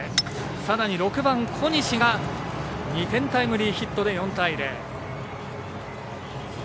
さらに６番、小西が２点タイムリーヒットで４対０。